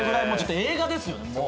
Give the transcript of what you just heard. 映画ですよねもう。